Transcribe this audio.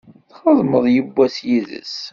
Txedmeḍ yewwas yid-s?